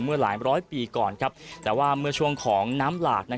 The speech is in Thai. เมื่อหลายร้อยปีก่อนครับแต่ว่าเมื่อช่วงของน้ำหลากนะครับ